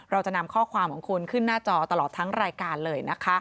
เราจะนำข้อความของคุณขึ้นหน้าจอตลอดทั้งรายการเลยนะคะ